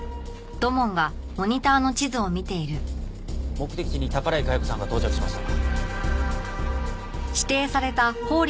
目的地に宝居茅子さんが到着しました。